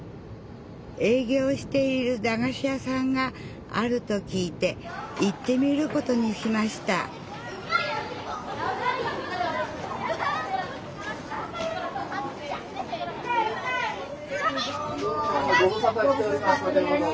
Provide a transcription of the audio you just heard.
営業しているだがし屋さんがあると聞いて行ってみることにしましたどうも。